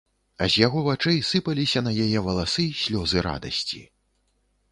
А з яго вачэй сыпаліся на яе валасы слёзы радасці.